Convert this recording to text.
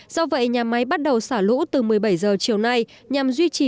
do vậy nhà máy bắt đầu xả lũ từ một mươi bảy h chiều nay nhằm duy trì